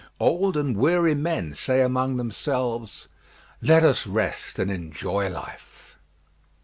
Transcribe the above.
Old and weary men say among themselves, "Let us rest and enjoy life."